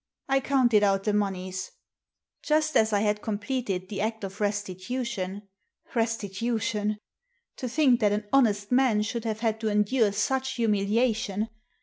I counted out the moneys. Just as I had completed the act of restitution — restitution! To think that an honest man should have had to endure such humiliation!